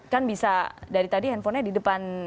kan bisa dari tadi handphonenya di depan